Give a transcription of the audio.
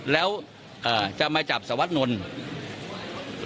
แล้วจะมาจับสวัสดนนท์